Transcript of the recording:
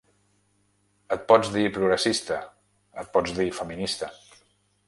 Et pots dir progressista, et pots dir feminista.